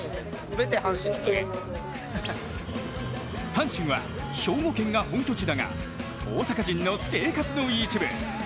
阪神は兵庫県が本拠地だが大阪人の生活の一部。